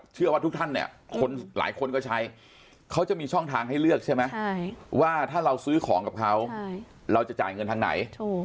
เชื่อว่าทุกท่านเนี่ยหลายคนก็ใช้เขาจะมีช่องทางให้เลือกใช่ไหมว่าถ้าเราซื้อของกับเขาเราจะจ่ายเงินทางไหน